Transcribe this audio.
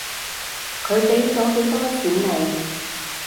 佢畀咗幾多錢你？